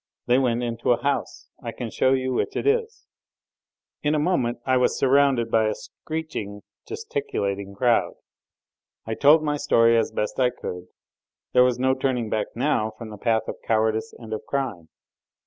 "They went into a house ... I can show you which it is " In a moment I was surrounded by a screeching, gesticulating crowd. I told my story as best I could; there was no turning back now from the path of cowardice and of crime.